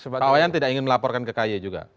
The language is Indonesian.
pak wayan tidak ingin melaporkan ke ky juga